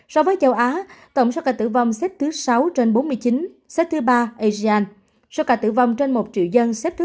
so với châu á tổng số ca tử vong xếp thứ sáu trên bốn mươi chín xếp thứ ba asian số ca tử vong trên một triệu dân xếp thứ hai mươi bốn